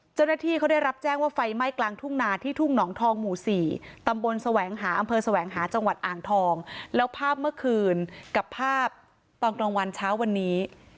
เจ้าหน้าที่เขาได้รับแจ้งว่าไฟไหม้กลางทุ่งนาที่ทุ่งหนองทองหมู่๔ตำบลแสวงหาอำเภอแสวงหาจังหวัดอ่างทองแล้วภาพเมื่อคืนกับภาพตอนกลางวันเช้าวันนี้